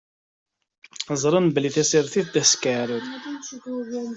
Ẓṛant belli tasertit d askeɛrer.